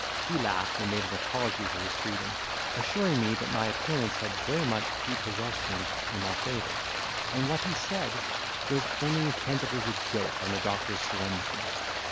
He laughed, and made an apology for his freedom, assuring me, that my appearance had very much prepossessed him in my favour; and what he said was only intended as a joke on the doctor's solemnity.